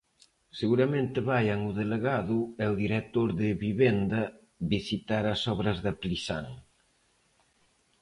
Seguramente vaian o delegado e o director de Vivenda visitar as obras da Plisán.